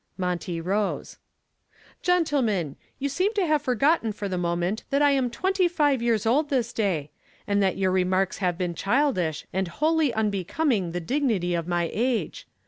Monty rose. "Gentlemen, you seem to have forgotten for the moment that I am twenty five years old this day, and that your remarks have been childish and wholly unbecoming the dignity of my age.